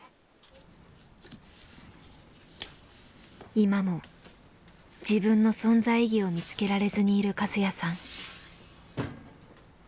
今も自分の存在意義を見つけられずにいるカズヤさん。